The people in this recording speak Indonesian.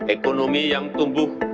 ekonomi yang tumbuh